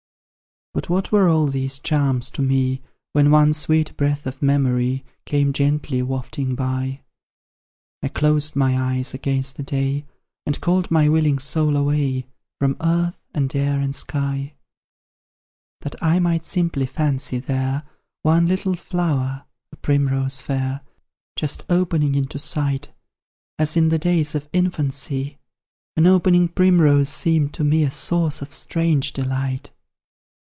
But what were all these charms to me, When one sweet breath of memory Came gently wafting by? I closed my eyes against the day, And called my willing soul away, From earth, and air, and sky; That I might simply fancy there One little flower a primrose fair, Just opening into sight; As in the days of infancy, An opening primrose seemed to me A source of strange delight.